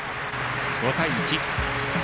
５対１。